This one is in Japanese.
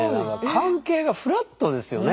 関係がフラットですよね。